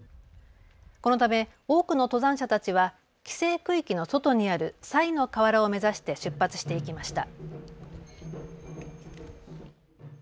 このため多くの登山者たちは規制区域の外にある賽の河原を目指して出発していきました。